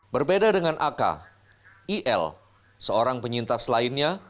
berbeda dengan ak il seorang penyintas lainnya